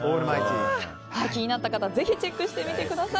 気になった方はぜひチェックしてみてください。